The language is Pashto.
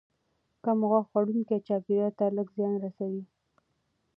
کم غوښه خوړونکي چاپیریال ته لږ زیان رسوي.